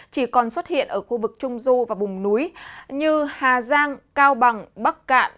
chỉ còn xuất hiện ở khu vực trung dô và bùng núi như hà giang cao bằng bắc cạn